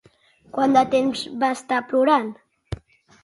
Quant de temps va estar plorant?